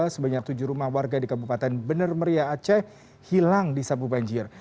sebanyak tujuh rumah warga di kabupaten benar meriah aceh hilang di sabu banjir